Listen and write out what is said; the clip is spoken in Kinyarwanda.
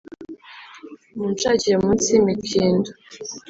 munshakire munsi y'imikindo.